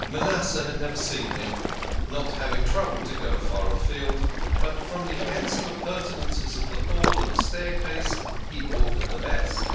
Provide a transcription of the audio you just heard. Manasseh had never seen him, not having troubled to go so far afield, but from the handsome appurtenances of the hall and the stair case he augured the best.